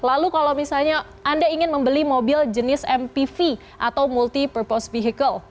lalu kalau misalnya anda ingin membeli mobil jenis mpv atau multi purpose vehicle